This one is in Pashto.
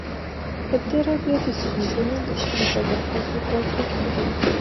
په تېره بیا د سېلابونو د شمېر په برخه کې توپیر لري.